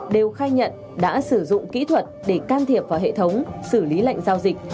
đều khai nhận đã sử dụng kỹ thuật để can thiệp vào hệ thống xử lý lệnh giao dịch